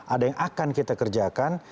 ada yang akan kita kerjakan